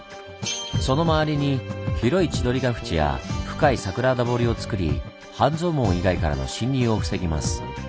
その周りに広い千鳥ヶ淵や深い桜田堀をつくり半蔵門以外からの侵入を防ぎます。